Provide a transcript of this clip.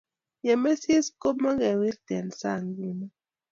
ye mesis ko mukewirten sang nguno